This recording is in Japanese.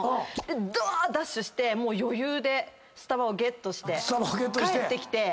でだーってダッシュして余裕でスタバをゲットして帰ってきて。